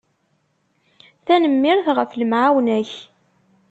Tanemmirt ɣef lemɛawna-k.